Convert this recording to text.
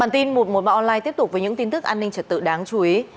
tiếp tục với những tin tức an ninh trật tự đáng chú ý